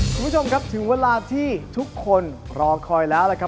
คุณผู้ชมครับถึงเวลาที่ทุกคนรอคอยแล้วนะครับ